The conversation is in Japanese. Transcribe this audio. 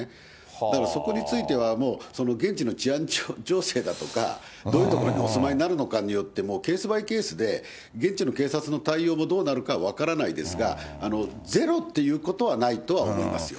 だからそこについては、もう、現地の治安情勢だとか、どういう所にお住まいになるのかによってケースバイケースで、現地の警察の対応もどうなるか分からないですが、ゼロっていうことはないと思いますよ。